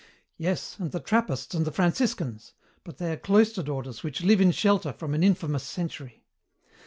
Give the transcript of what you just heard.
"Yes, and the Trappists and the Franciscans. But they are cloistered orders which live in shelter from an infamous century.